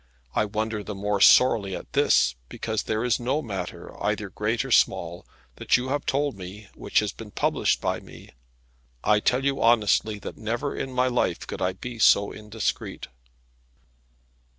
I wonder the more sorely at this, because there is no matter, either great or small, that you have told me, which has been published by me. I tell you honestly that never in my life could I be so indiscreet."